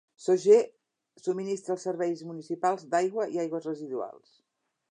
Sauget subministra els serveis municipals d'aigua i aigües residuals.